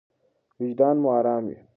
وجدان مو ارام وي.